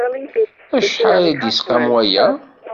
Acḥal i d-isqam waya?